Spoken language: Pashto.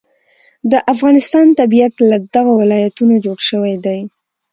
د افغانستان طبیعت له دغو ولایتونو جوړ شوی دی.